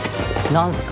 何すか？